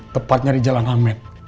tepatnya di jalan ahmed